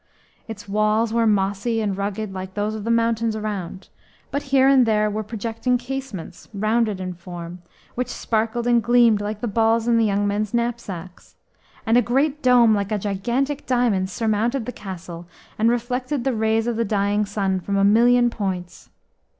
Its walls were mossy and rugged like those of the mountains around, but here and there were projecting casements, rounded in form, which sparkled and gleamed like the balls in the young men's knapsacks, and a great dome like a gigantic diamond surmounted the castle and reflected the rays of the dying sun from a million points.